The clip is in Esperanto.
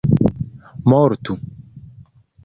mortu